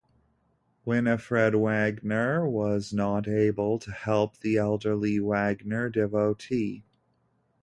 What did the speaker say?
Winifred Wagner was not able to help the elderly Wagner devotee.